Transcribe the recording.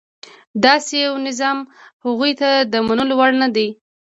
داسې یو نظام هغوی ته د منلو وړ نه دی.